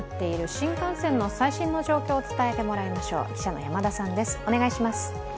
新幹線の最新の状況を伝えてもらいましょう。